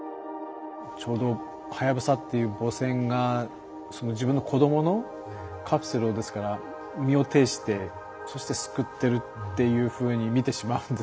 ちょうどはやぶさっていう母船が自分の子供のカプセルをですから身をていしてそして救ってるっていうふうに見てしまうんですよね。